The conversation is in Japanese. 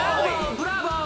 ブラボー！